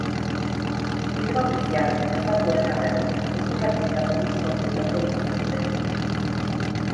Liga ofizial osatu ez arren, kulturalki eta politikoki loturik zeuden.